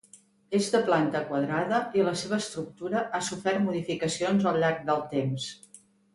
És de planta quadrada i la seva estructura ha sofert modificacions al llarg del temps.